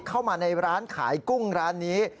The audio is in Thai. เข้ามาในร้านขายกุ้งร้านนี้